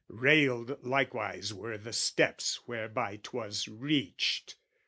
Railed likewise were the steps whereby 'twas reached.